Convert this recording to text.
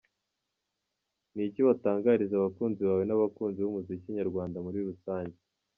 Ni iki watangariza abakunzi bawe n’abakunzi b’umuziki nyarwanda muri Rusange?.